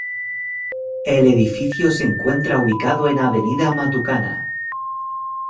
El edificio se encuentra ubicado en Avenida Matucana.